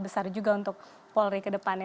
besar juga untuk polri ke depannya